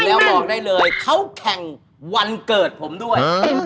แล้วบอกได้เลยเขาแข่งวันเกิดผมด้วย